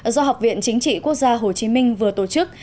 do học viện chính trị quốc gia hồ chí minh vừa tổ chức